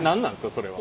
それは。